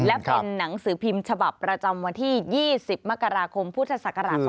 แล้วเป็นหนังสือพิมพ์ฉบับประจำวันที่๒๐มกราคมพศ๒๕๖๐